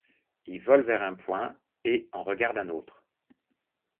Il vole vers un point et en regarde un autre.